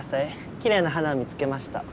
きれいな花を見つけました。